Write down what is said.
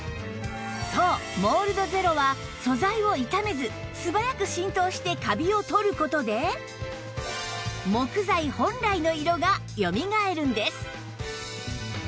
そうモールドゼロは素材を傷めず素早く浸透してカビを取る事で木材本来の色がよみがえるんです